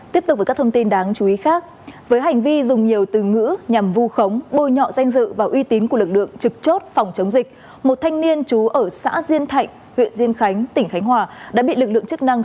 tiếp tục với các thông tin đáng chú ý khác